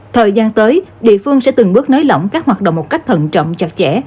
thời gian tới địa phương sẽ từng bước nới lỏng các hoạt động một cách thận trọng chặt chẽ